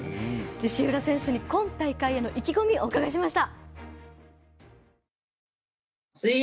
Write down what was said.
石浦選手に今大会への意気込みお伺いしました。